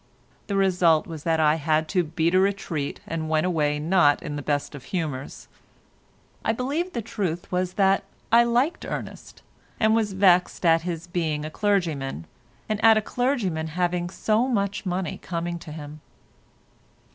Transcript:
The result was that I had to beat a retreat and went away not in the best of humours. I believe the truth was that I liked Ernest, and was vexed at his being a clergyman, and at a clergyman having so much money coming to him.